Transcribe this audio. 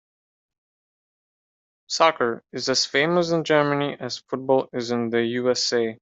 Soccer is as famous in Germany as football is in the USA.